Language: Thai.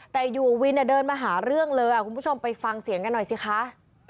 แต่อยู่วินเดินมาหาเรื่องเลยคุณผู้ชมไปฟังเสียงกันหน่อยสิคะ